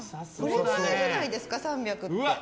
これくらいじゃないですか３００って。